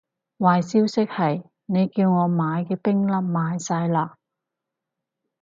壞消息係，你叫我買嘅冰粒賣晒喇